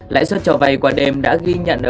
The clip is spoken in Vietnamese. lãi suất trò vay qua đêm đã ghi nhận